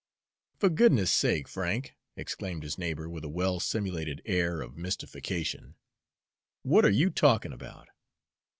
"Fer goodness' sake, Frank!" exclaimed his neighbor, with a well simulated air of mystification, "what are you talkin' about?"